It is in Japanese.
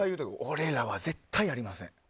俺らは絶対ありません。